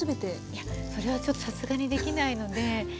いやそれはちょっとさすがにできないので。